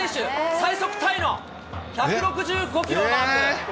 最速タイの１６５キロをマーク。